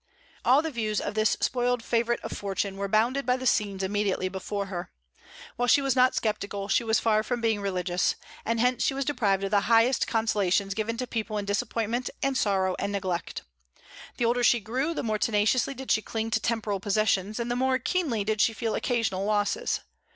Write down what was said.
All the views of this spoiled favorite of fortune were bounded by the scenes immediately before her. While she was not sceptical, she was far from being religious; and hence she was deprived of the highest consolations given to people in disappointment and sorrow and neglect. The older she grew, the more tenaciously did she cling to temporal possessions, and the more keenly did she feel occasional losses.